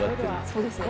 そうですね。